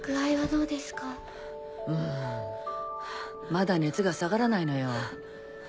うんまだ熱が下がらないのよ。